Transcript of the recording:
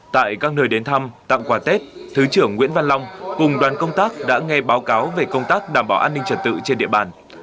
tại các nơi đến thăm tặng quà tết thứ trưởng nguyễn văn long cùng đoàn công tác đã nghe báo cáo về công tác đảm bảo an ninh trật tự trên địa bàn